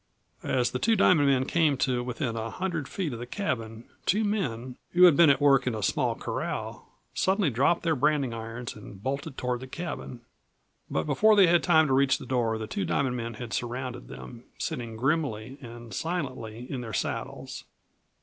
As the Two Diamond men came to within a hundred feet of the cabin two men, who had been at work in a small corral, suddenly dropped their branding irons and bolted toward the cabin. But before they had time to reach the door the Two Diamond men had surrounded them, sitting grimly and silently in their saddles.